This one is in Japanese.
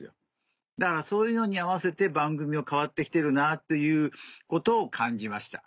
だからそういうのに合わせて番組も変わって来てるなということを感じました。